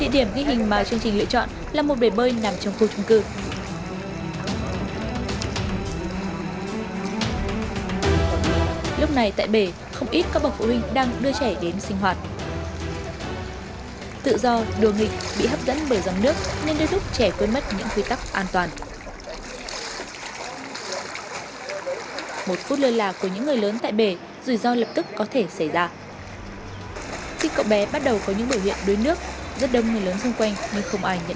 địa điểm ghi hình mà chương trình lựa chọn là một bể bơi nằm trong khu trung cư